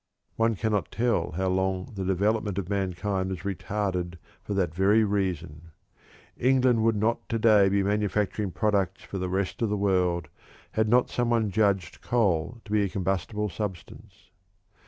One cannot tell how long the development of mankind was retarded for that very reason. England would not to day be manufacturing products for the rest of the world had not some one judged coal to be a combustible substance.